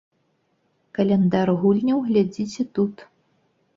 Каляндар гульняў глядзіце тут.